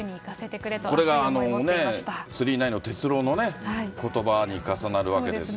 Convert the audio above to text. これが９９９の鉄郎のね、ことばに重なるわけですよね。